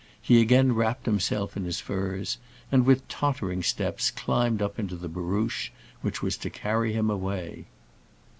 He again wrapped himself in his furs, and, with tottering steps, climbed up into the barouche which was to carry him away.